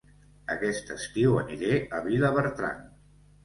Aquest estiu aniré a Vilabertran